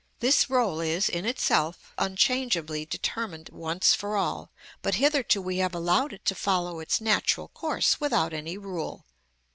This rôle is in itself unchangeably determined once for all, but hitherto we have allowed it to follow its natural course without any rule.